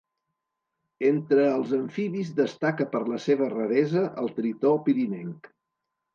Entre els amfibis destaca per la seva raresa el tritó pirinenc.